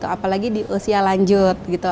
apalagi di usia lanjut gitu